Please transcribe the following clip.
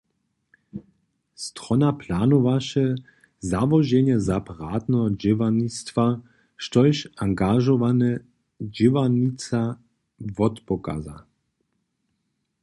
Strona planowaše załoženje separatneho dźěłarnistwa, štož angažowana dźěłarnica wotpokaza.